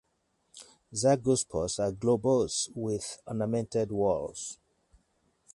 Zygospores are globose with ornamented walls.